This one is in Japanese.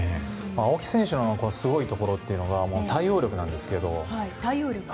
青木選手のすごいところが対応力なんですけど。